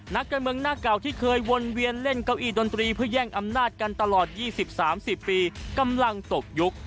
นักการเมืองหน้าเก่าที่เคยวนเวียนเล่นเก้าอี้ดนตรีเพื่อแย่งอำนาจกันตลอด๒๐๓๐ปีกำลังตกยุค